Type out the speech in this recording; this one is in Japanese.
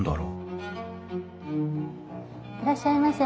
いらっしゃいませ。